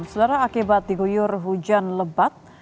selera akibat diguyur hujan lebat